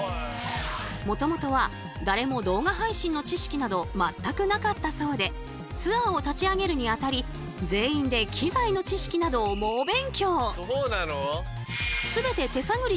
もともとは誰も動画配信の知識など全くなかったそうでツアーを立ち上げるにあたり全員で機材の知識などを猛勉強。